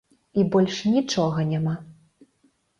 І больш нічога няма.